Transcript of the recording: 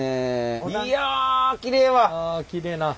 いやきれいやわ。